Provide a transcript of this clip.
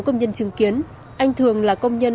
công nhân chứng kiến anh thường là công nhân